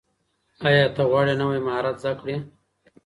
ایا ته غواړې نوي مهارت زده کړې؟